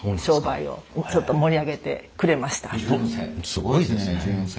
すごいですね１４世。